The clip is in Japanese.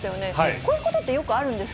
こういうことってよくあるんです